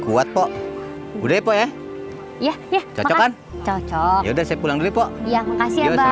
ya pok udah ya ya ya ya coba coba udah saya pulang dulu pokok yang kasih